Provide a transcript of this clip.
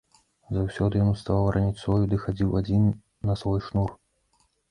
Заўсёды ён уставаў раніцою ды хадзіў адзін на свой шнур.